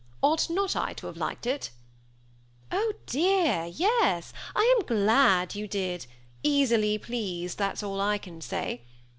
Ought not I to have liked it?" " Oh dear, yes ! I am glad you did ; easily pleased, that 's all I can say.